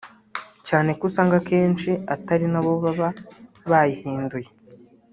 cyane ko usanga akenshi atari na bo baba bayihinduye